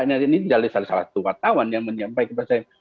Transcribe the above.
ini adalah salah satu wartawan yang menyampaikan kepada saya